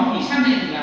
thì xác định là